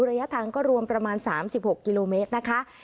ระยะทางก็รวมประมาณ๓๖กิโลเมตรนะคะ